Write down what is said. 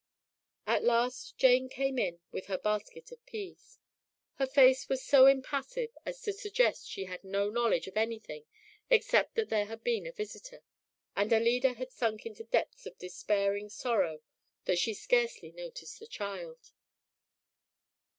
At last Jane came in with her basket of peas. Her face was so impassive as to suggest that she had no knowledge of anything except that there had been a visitor, and Alida had sunk into such depths of despairing sorrow that she scarcely noticed the child.